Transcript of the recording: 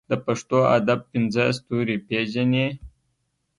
د پښتو ادب پنځه ستوري پېژنې.